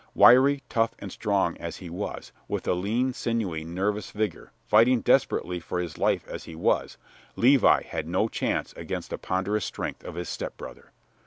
Wiry, tough, and strong as he was, with a lean, sinewy, nervous vigor, fighting desperately for his life as he was, Levi had no chance against the ponderous strength of his stepbrother.